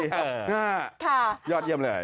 ยอดเยี่ยมเลย